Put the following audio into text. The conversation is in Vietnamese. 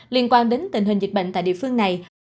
liên quan đến tình hình dịch bệnh tại địa phương này